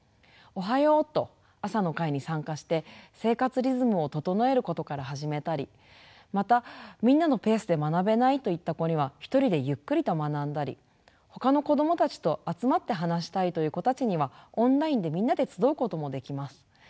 「おはよう」と朝の会に参加して生活リズムを整えることから始めたりまたみんなのペースで学べないといった子には１人でゆっくりと学んだりほかの子どもたちと集まって話したいという子たちにはオンラインでみんなで集うこともできます。